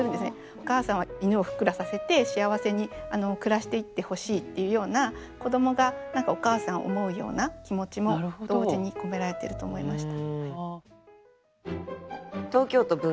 お母さんは犬をふっくらさせて幸せに暮らしていってほしいっていうような子どもが何かお母さんを思うような気持ちも同時に込められてると思いました。